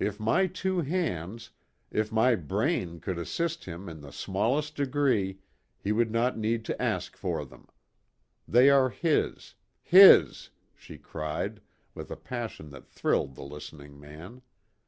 If my two hands, if my brain could assist him in the smallest degree, he would not need to ask for them. They are his his!" she cried, with a passion that thrilled the listening man.